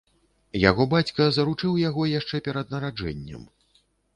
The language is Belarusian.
Яго бацька заручыў яго яшчэ перад нараджэннем.